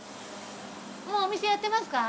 もうお店やってますか？